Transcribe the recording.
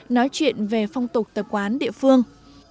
nói chuyện về phong tục tập quán địa phương